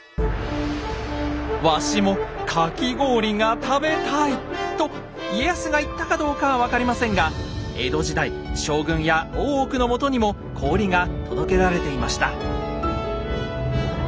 「わしもかき氷が食べたい！」と家康が言ったかどうかは分かりませんが江戸時代将軍や大奥のもとにも氷が届けられていました。